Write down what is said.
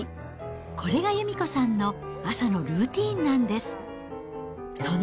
これが由美子さんの朝のルーティンなんです。